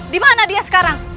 di mana dia sekarang